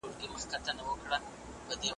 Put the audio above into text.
په دنیا کي مو وه هر څه اورېدلي ,